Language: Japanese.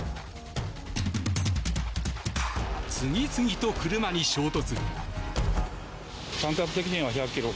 次々と車に衝突。